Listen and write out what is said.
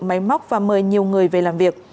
máy móc và mời nhiều người về làm việc